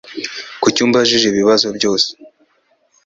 Kuki umbajije ibi bibazo byose?